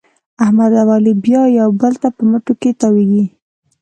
احمد او علي بیا یو بل ته په مټو کې تاوېږي.